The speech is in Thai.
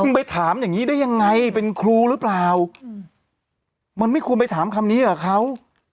คุณไปถามอย่างนี้ได้ยังไงเป็นครูหรือเปล่ามันไม่ควรไปถามคำนี้กับเขา